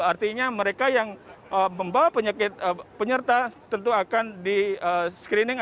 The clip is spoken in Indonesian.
artinya mereka yang membawa penyakit penyerta tentu akan di screening